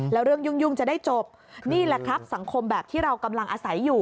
แล้วเรื่องยุ่งจะได้จบนี่แหละครับสังคมแบบที่เรากำลังอาศัยอยู่